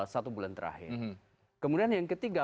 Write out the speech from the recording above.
satu bulan terakhir kemudian yang ketiga